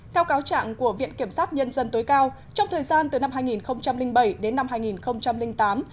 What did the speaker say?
theo cáo chạm của viện kiểm sát nhân dân tối cao trong thời gian từ năm hai nghìn tám